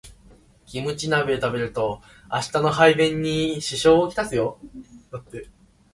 キムチ鍋食べると明日の排便に支障をきたすよ